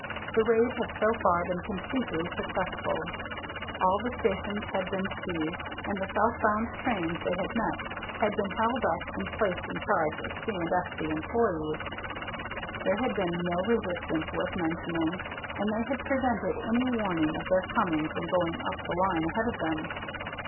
The raid had so far been completely successful: all the stations had been seized, and the south bound trains they had met had been held up and placed in charge of C. & S.C. employees. There had been no resistance worth mentioning, and they had prevented any warning of their coming from going up the line ahead of them.